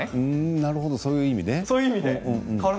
なるほど、そういう意味ね。